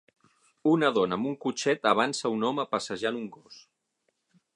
Una dona amb un cotxet avança a un home passejant un gos.